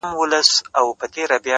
نو خود به اوس ورځي په وينو رنگه ككــرۍ.